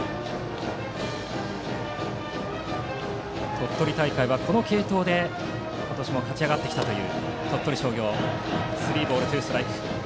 鳥取大会はこの継投で今年も勝ち上がってきた鳥取商業。